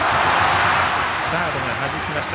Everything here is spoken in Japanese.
サードがはじきました。